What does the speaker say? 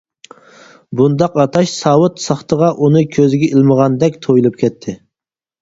بۇنداق ئاتاش ساۋۇت ساختىغا ئۇنى كۆزگە ئىلمىغاندەك تۇيۇلۇپ كەتتى.